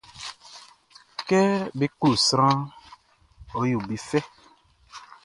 Kɛ be klo sranʼn, ɔ yo be fɛ.